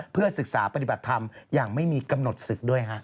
เพื่อศึกษาปฏิบัติธรรมอย่างไม่มีกำหนดศึกด้วยฮะ